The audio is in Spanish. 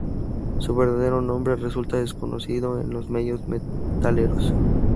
Su verdadero nombre resulta desconocido en los medios metaleros.